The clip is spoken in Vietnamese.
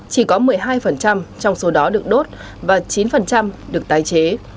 chỉ có một mươi hai trong số đó được đốt và chín được tái chế